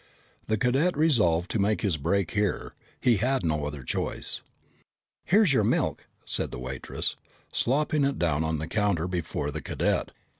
The cadet resolved to make his break here. He had no other choice. "Here's your milk!" said the waitress, slopping it down on the counter before the cadet.